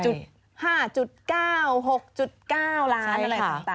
๕๙๖๙ล้านอะไรต่าง